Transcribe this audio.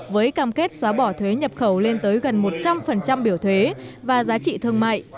với cam kết xóa bỏ thuế nhập khẩu lên tới gần một trăm linh biểu thuế và giá trị thương mại